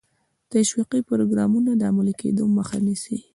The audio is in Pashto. تشویقي پروګرامونو د عملي کېدو مخه نیسي.